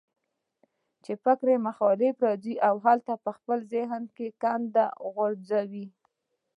چې فکري مخالف به راځي او دلته به خپل ذهني ګند غورځوي